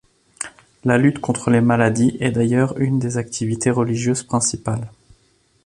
La lutte contre les maladies est d’ailleurs une des activités religieuses principales.